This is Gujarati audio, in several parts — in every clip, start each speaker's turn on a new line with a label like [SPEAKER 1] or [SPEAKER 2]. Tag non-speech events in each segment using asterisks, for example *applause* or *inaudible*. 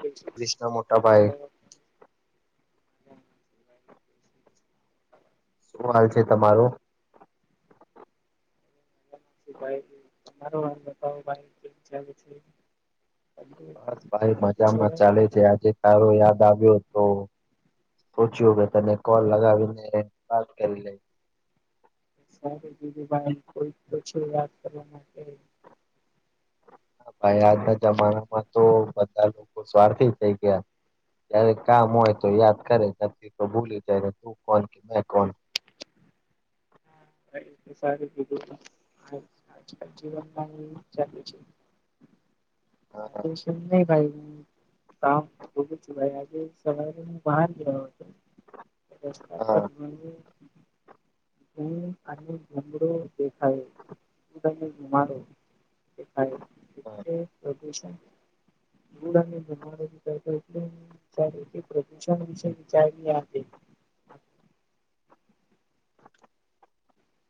[SPEAKER 1] ભાઈ
[SPEAKER 2] ક્રિષ ના મોટા ભાઈ
[SPEAKER 1] *inaudible*
[SPEAKER 2] શું હાલ છે તમારો
[SPEAKER 1] ભાઈ તમારો *inaudible*
[SPEAKER 2] બસ ભાઈ
[SPEAKER 1] બધું
[SPEAKER 2] મજામાં
[SPEAKER 1] સરસ
[SPEAKER 2] ચાલે છે આજે તારો યાદ આવ્યો તો સોચ્યું કે તને કોલ લગાવીને વાત કરી લઈ
[SPEAKER 1] સાર બીજું ભાઈ કોઈ *inaudible* કરવા માટે
[SPEAKER 2] હા ભાઈ આજના જમાનામાં તો બધા લોકો સ્વાર્થી થઈ ગયા ક્યારેક કામ હોય તો યાદ કરે *inaudible* તો ભૂલી જાય ને તું કોણ ને મેં કોણ
[SPEAKER 1] *inaudible* સારું કીધું તો આજકાલ જીવનમાં *inaudible*
[SPEAKER 2] હા
[SPEAKER 1] ભાઈ *inaudible* આજે સવારે *inaudible* ગયો હતો રસ્તા
[SPEAKER 2] હા
[SPEAKER 1] પર હું અને *unintelligible* દેખાયો *inaudible* દેખાયો
[SPEAKER 2] હા
[SPEAKER 1] એટલે પ્રદૂષણ *inaudible* *inaudible*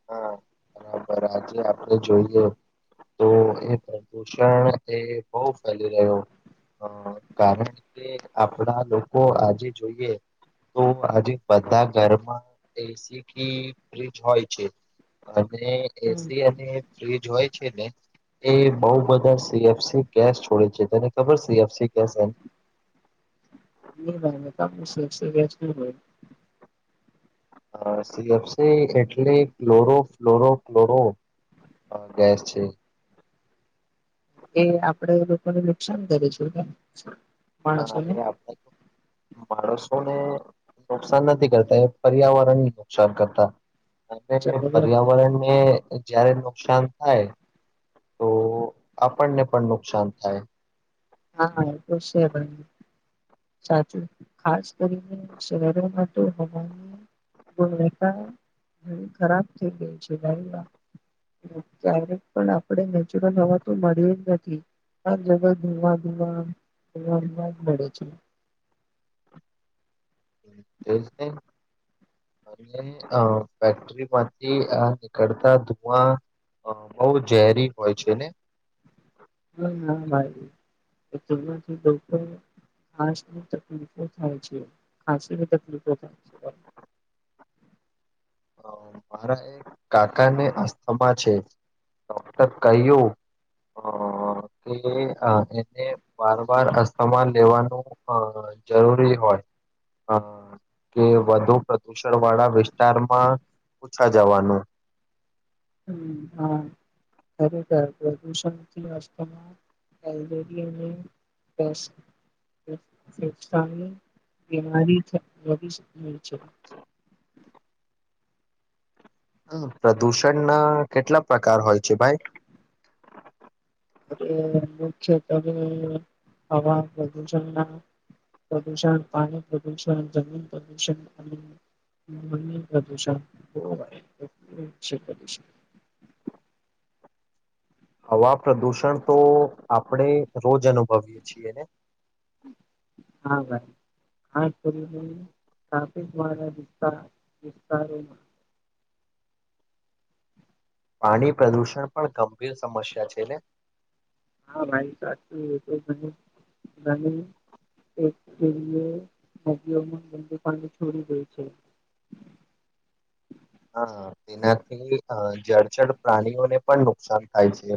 [SPEAKER 2] હા બરાબર આજે આપણે જોઈએ તો એ પ્રદુષણ એ બોઉ ફેલી રહ્યો હ કારણ કે આપણા લોકો આજે જોઈએ તો આજે બધા ઘરમાં એ સી *inaudible* ફ્ર્રીજ હોય. છે અને એ સી અને ફ્રીજ હોય છે ને એ બોઉ બધા સી એફ સી ગેસ છોડે છે તને ખબર સી એફ સી ગેસ એમ
[SPEAKER 1] *inaudible*
[SPEAKER 2] અ સી એફ સી એટલે ક્લોરો ફ્લોરો ક્લોરો અ ગેસ છે
[SPEAKER 1] એ આપડે લોકોને નુકસાન કરે છે ને.
[SPEAKER 2] હા
[SPEAKER 1] માણસોને
[SPEAKER 2] એ *inaudible* માણસોને નુકસાન નથી કરતા એ પર્યાવરણ ને નુકસાન કરતા અને
[SPEAKER 1] જબર.
[SPEAKER 2] પર્યાવરણને જયારે નુકસાન થાય તો આપણને પણ નુકસાન થાય.
[SPEAKER 1] હા હા એ ખુ છે ભ સાચું ખાસ કરીને શહેરોમાં તો હવાની ગુણવત્તા ઘ ખરાબ થઈ ગઈ છે ગાઈમાં ક્યારેક પણ આપણે નેચરલ હવા તો મળી જ નથી હ જગ ધવા ધુવા દુવા દુવા જ મળે છે
[SPEAKER 2] *inaudible* અને અ ફેક્ટરી માંથી આ નીકળતા ધુવા અ બહુ ઝેરી હોય છે ને
[SPEAKER 1] *unintelligible* ઘાસની તકલીફો થાય છે ખાસીની તકલીફો થાય છે *unintelligible*
[SPEAKER 2] મારા એક કાકા ને આસ્થામાં છે ડોક્ટર કહય્યું કે એને વાર વાર અસ્થમા લેવાનું જરૂરી હોય અ કે વધુ પ્રદુષણ વાળા વિસ્તારમાં પૂછા જવાનું
[SPEAKER 1] હમ હા ખરેખર પ્રદુષણથીસ્ત બીમારી વધી અ છે
[SPEAKER 2] પ્રદુષણના કેટલા પ્રકાર હોય છે ભાઈ
[SPEAKER 1] મુખ્યતવે હવા પ્રદૂષણ ના પ્રદૂષણ પાણી પ્રદૂષણ જમીન પ્રદૂષણ અને પ્રદુષણ કરીશ
[SPEAKER 2] હવા પ્રદુષણ તો આપણે રોજ અનુભવીએ છીએને
[SPEAKER 1] હા ભર આ કરીાફિક વિ વિસ્તારોમાં
[SPEAKER 2] પાણી પ્રદૂષણ પણ ગંભીર સમસ્યા છે ને
[SPEAKER 1] હા ભાઈ સાચું એ તો એક એરમન બંદુ ખડ છડી ગઈ છે
[SPEAKER 2] હા તેનાથી જળ જર પ્રાણીઓને પણ નુકસાન થાય છે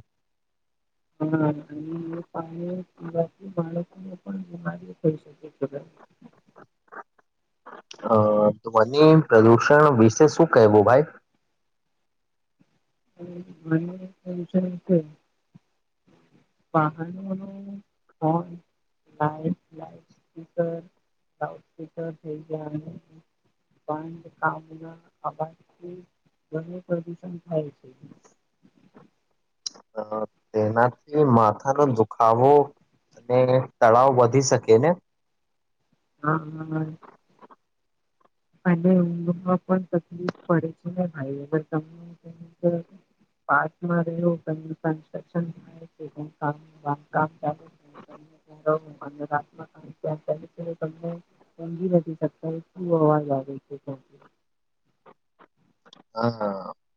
[SPEAKER 1] હા અને એ પાણી પીવાથી બાળકોને પણ બીમારી થઈ શકે છે
[SPEAKER 2] અ ધ્વનીિ પ્રદુષણ વિશે શું કહેવું ભાઈ
[SPEAKER 1] છે વાહન ન હોય લ લાઉડ સ્પીકર લાઉડ સ્પીકર થઈ ગયા પણ આામ અભ ગરમું પ્રદુષણ થાય છે
[SPEAKER 2] અ તેનાથી માથાનો દુખાવો અને તળાવ વધી શકે ને
[SPEAKER 1] હા હા અને માં પણ તકલીફ પડે છે ને ભાઈ ત પાચમાં રહવ તમ કન્્રક્શન થ છેામંધકામ ચાલે છે તમનેંગી નથી શકતા શ હ
[SPEAKER 2] હ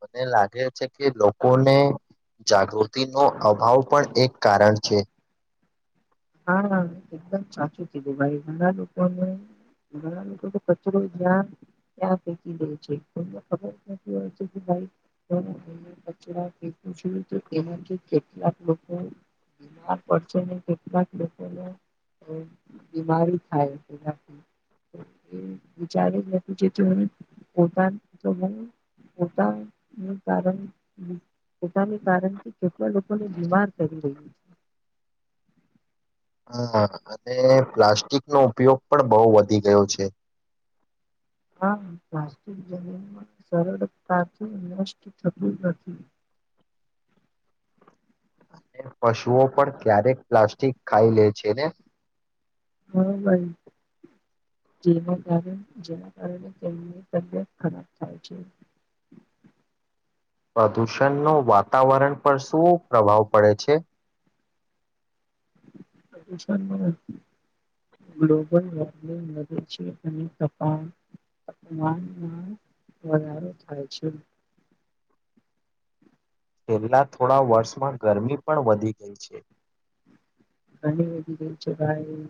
[SPEAKER 2] મને લાગે છે કે લોકોને જાગૃતિનો અભાવ પણ એક કારણ છે
[SPEAKER 1] હા એકદમ સાચું કિધું ભાઈ ગણા લોકોને ગણા તો કચરો જ્યા ત્યાં ફેંકી દે છે કોઈને ખબર જ નથી હોતી એમાંથી કેટલાક લોકો બીમાર પડશે અને કેટલા લોકોને બીમારી થાય એમ એ વિચાર જ નથી થતો અને પોતાને *unintelligible* કારણ પોતાને કારણથી કેટલા લોકોને બીમાર પાડી રહ્યું છે
[SPEAKER 2] હા અને પ્લાસ્ટિકનો ઉપયોગ પણ બહુ વધી ગયો છે
[SPEAKER 1] *inaudible* પ્લાસ્ટિક જમીનમાં સરળતાથી નષ્ટ થતું નથી
[SPEAKER 2] અને પશુઓ પણ ક્યારેક પ્લાસ્ટિક ખાઈ લે છે ને
[SPEAKER 1] હા ભાઈ જે જેના કારણે તેમની તબિયત ખરાબ થાય છે *unintelligible*
[SPEAKER 2] પ્રદૂષણનો વાતાવરણ પર શું પ્રભાવ પડે છે?
[SPEAKER 1] *unintelligible* પ્રદૂષણનો ગ્લોબલ વોર્મિંગ વધે છે અને તપમાનમાં વધારો થાય છે.
[SPEAKER 2] છેલ્લા થોડા વર્ષમાં ગરમી પણ વધી ગઈ છે.
[SPEAKER 1] ઘણી વધી ગઈ છે ભાઈ.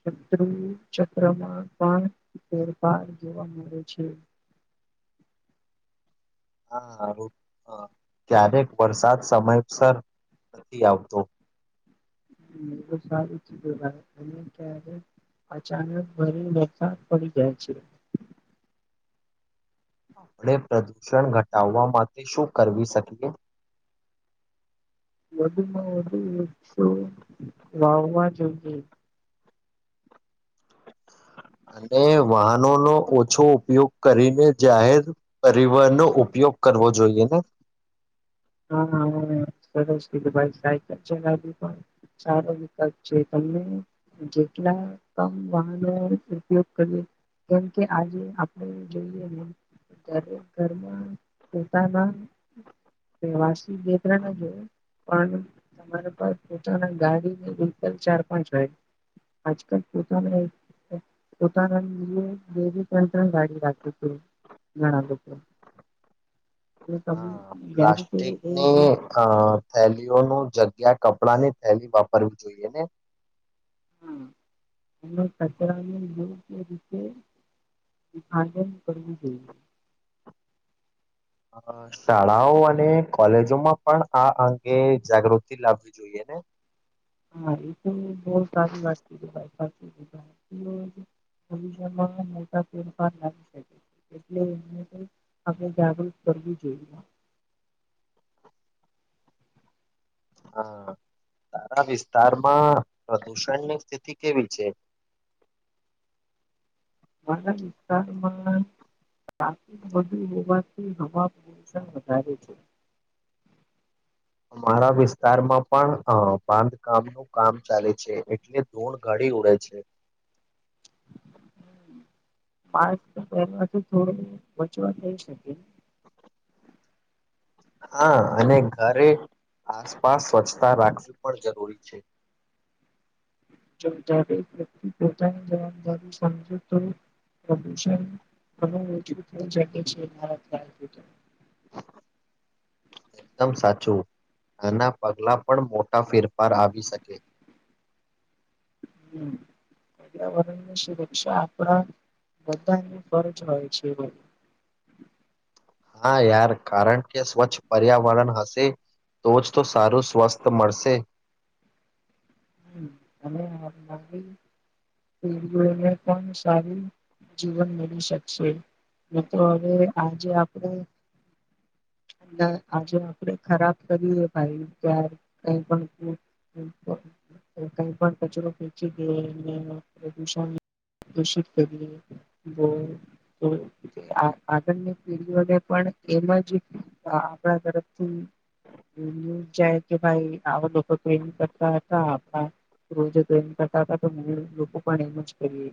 [SPEAKER 1] શત્રુ ચક્રમાં પણ ફેરફાર જોવા મળે છે.
[SPEAKER 2] હા, ક્યારેક વરસાદ સમયસર નથી આવતો.
[SPEAKER 1] એતો સારું જ કહેવાય ક્યારેક અચાનક વધારે વરસાદ પડે. પડી જાય છે.
[SPEAKER 2] આપણે પ્રદૂષણ ઘટાવવા માટે શું કરવી શકીએ?
[SPEAKER 1] વધુમાં વધુ વક્ષો વાવા જોઈએ.
[SPEAKER 2] અને વાહનોનો ઓછો ઉપયોગ કરીને જાહેર પરિવહનનો ઉપયો કરવો જોઈએને.
[SPEAKER 1] હા, સરસ કીધુ ભાઈ સાઈકલ ચલાવી પણ. સારો વિકલ્પ છે તમે જેટલા કમ વાહનો ઉપયોગ કરીએ. કેમ કે આજે આપણે જોઈએને. દરેક ઘરમાં પોતાના *unintelligible* પણ તમારી પાસે પોતાના ગાડીને વ્હીકલ ચાર પાંચ હોય. આજકાલ પોતાનુ. પોતાના બે ત્રણ-ત્રણ ગાડી રાખી છે. ઘણા લોકો તે
[SPEAKER 2] હા
[SPEAKER 1] જ્યારે એ
[SPEAKER 2] પ્લાસ્ટિકની
[SPEAKER 1] જે
[SPEAKER 2] અ થેલીઓનું જગ્યા કપડાં ની થેલી વાપરવી જોઈએ ને.
[SPEAKER 1] હા, અને કચરાનો યોગ્ય રીતે. વિભાજન કરવુ જોઈએ.
[SPEAKER 2] અ શાળાઓ અને કોલેજોમાં પણ આ અંગે જાગૃતિ લાવવી જોઈએ ને.
[SPEAKER 1] હા, એ તો બહુ સારી વાત કિધીં ભાઈ. ભવિષ્યમાં મોટા ફેરફ લાવી શકે છે, એટલે એને આપણે જાગૃત થવુ જોઇએ.
[SPEAKER 2] હા. તારા વિસ્તારમાં પ્રદુષણની સ્થિતિ કેવી છે?
[SPEAKER 1] *unintelligible* *unintelligible* વધુ હોવાથી હવા પુદુષણ વધારે છે. *unintelligible*
[SPEAKER 2] અમારા વિસ્તારમાં પણ અ બાંધકામ નું કામ ચાલે છે, એટલે ધૂળ ગાડી ઉડે છે.
[SPEAKER 1] *unintelligible* થોડો બચવા થઈ શકે.
[SPEAKER 2] હા, અને ઘરે આસપાસ સ્વચ્છતા રાખવી પણ જરૂરી છે.
[SPEAKER 1] *unintelligible* વ્યક્તિ પોતાની જવાબદારી સમજે તો પ્રભૂષણ ઘણુ ઓછું થઈ જાય છે.
[SPEAKER 2] એકદમ સાચું, આના પગલા પણ મો ટા ફેરફાર આવી શકે.
[SPEAKER 1] હમ્મ. પર્યાવરણની સુરક્ષા આપણા બધાની ફરજ હોય છે બ *inaudible*
[SPEAKER 2] હા યાર કારણ કે સ્વચ્છ પર્યાવરણ હશે તો જ તો સારું સ્વસ્થ મળશે
[SPEAKER 1] અને *unintelligible* પણ સારી જીવન મેલી શકશે નેતો હવે આજે આપડે એ આજે આપડે ખરાબ કરીએે ભાઈ તાર કઈ પણ *unintelligible* કઈ પણ કચરો ફેકી ગયે ને પ્રદુષણ દૂષિત કરી *unintelligible* આગળની પેઢી ઓને પણ એમાં જ આપણા તરફથી જાય કે ભાઈ આવા લોકો કેમ કરતા હતા આપ રોજે એ કરતા લોકો પણ એમ જ કરી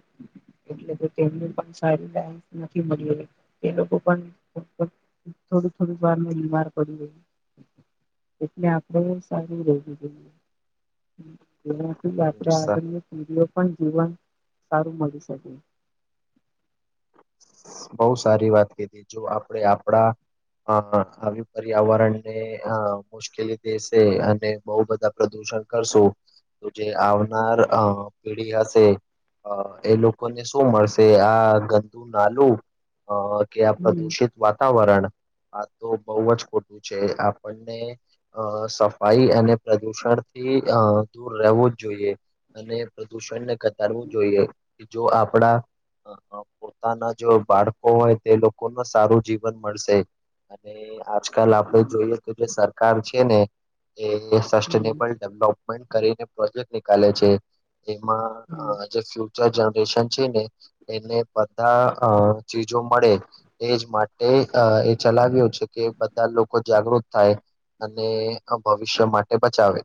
[SPEAKER 1] એટલે તેમ પણ *unintelligible* તે લોકો પણ થોડુંક થોડું વાર બીમાર પડી એટલે *unintelligible* સારું રહેવું જોઈ એમાંથી આપણેે આગરની પીડીઓ પણ જીવન સારું મળી શકે
[SPEAKER 2] બોવ સારી વાત કીધી જો આપણે આપડા અ આવી પર્યાવરણ ને અ મુશ્કેલી દેશે અને બોવ બધા પ્રદુ પણ શું તો જે આવનાર અ પેઢી હશે હ એ લોકોને શું મળશે આ ગ દુ નાલું અ કે આ
[SPEAKER 1] હમ
[SPEAKER 2] પ્રદુષિત વાતાવરણ આ તો બોવ જ ખોટું છે આપણને અ સફાઈ અને પ્રદુષણ થી અ દૂર રહેવું જ જોઈએ અને પ્રદુષણને ઘટાડવું જોઈએ તો આપડા પોતાના જો બાળકો હોય તે લોકો ન સારું જીવન મળશે અને આજકાલ આપડે જોઈએ તો જે સરકાર છે ને એ
[SPEAKER 1] હમ
[SPEAKER 2] સસ્ટેનેબલ ડેવલોપ કરીને પ્રોજેક્ટ નીકાલે છે. એમાં અ
[SPEAKER 1] હમ,
[SPEAKER 2] જે ફ્યુચર જનરેશન છે ને એને બધા અ ચીજો મળે એજ માટે અ એ ચલાવ્યો છે કે બધા લોકો જાગૃત થાય અને ભવિષ્ય માટે બચાવે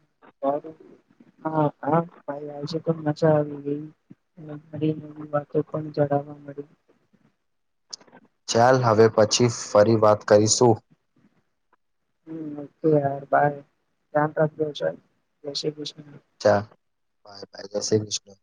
[SPEAKER 1] *inaudible* હા હા ભાઈ આજે પણ મજા આવી ગેઈ અને મારી નવી વાતો પણ જાણવા મળી
[SPEAKER 2] ચાલ હવે પછી ફરી વાત કરીશું
[SPEAKER 1] હમ્મ ઓકે યાર બાર રામભશ જય શ્રી કૃષ્ણ.
[SPEAKER 2] અચ્છા બાઈ બાઈ જય શ્રી કૃષ્ણ.